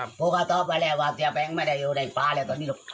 พวกเขาตอบไปเลยว่าเสียแป้งไม่ได้อยู่ในป่าเลยตอนนี้ล่ะ